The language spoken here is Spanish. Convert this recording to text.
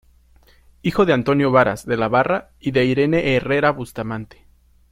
Hijo de Antonio Varas de la Barra y de "Irene Herrera Bustamante".